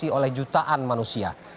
diisi oleh jutaan manusia